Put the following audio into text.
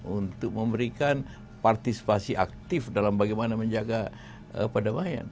untuk memberikan partisipasi aktif dalam bagaimana menjaga perdamaian